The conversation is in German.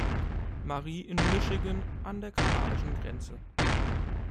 Marie in Michigan an der kanadischen Grenze.